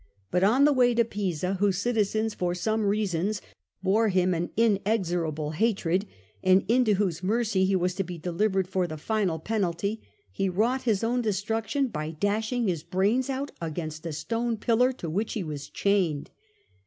But on the way to Pisa, whose citizens for some reasons bore him an inexorable hatred, and into whose mercy he was to be delivered for the final penalty, he wrought his own destruction by dashing his brains out against a stone pillar to which he was chained.